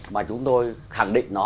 mà chúng tôi khẳng định nó